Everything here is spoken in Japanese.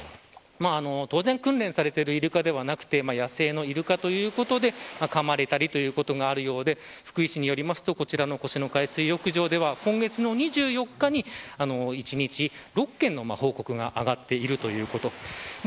当然、訓練されているイルカではなく野生のイルカということでかまれたりということがあるようで、福井市によりますとこちらの越廼海水浴場では今月の２４日に１日６件の報告があがっているということ。